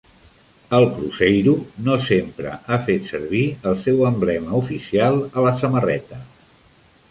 El Cruzeiro no sempre ha fet servir el seu emblema oficial a la samarreta.